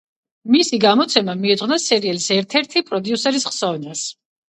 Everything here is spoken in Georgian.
მისი გამოცემა მიეძღვნა სერიალის ერთ-ერთი პროდიუსერის ხსოვნას.